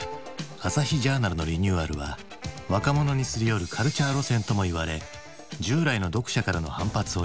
「朝日ジャーナル」のリニューアルは若者にすり寄る「軽チャー路線」ともいわれ従来の読者からの反発を呼んだ。